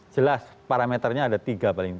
jelas parameternya ada tiga paling tidak